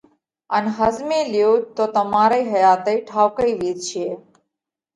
ان ۿزمي ليو تو تمارئِي حياتئِي ٺائُوڪئِي وِيتشي۔